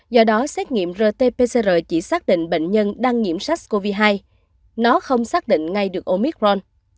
do đó xét nghiệm rt pcr chỉ xác định bệnh nhân đang nhiễm sars cov hai nó không xác định ngay được omicron